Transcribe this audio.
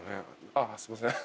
あっすいません。